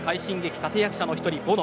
立役者の１人、ボノ。